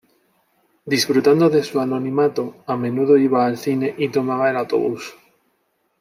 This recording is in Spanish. Disfrutando de su anonimato, a menudo iba al cine y tomaba el autobús.